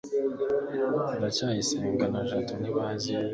ndacyayisenga na jabo ntibazi ibibera